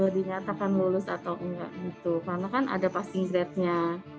dinyatakan lulus atau enggak gitu karena kan ada passing z nya